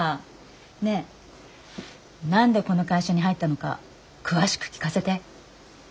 ねえ何でこの会社に入ったのか詳しく聞かせて。